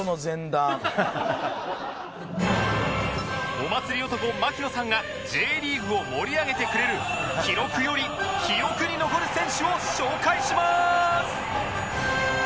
お祭り男槙野さんが Ｊ リーグを盛り上げてくれる記録より記憶に残る選手を紹介しまーす